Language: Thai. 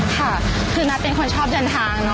ค่ะคือนัทเป็นคนชอบเดินทางเนอ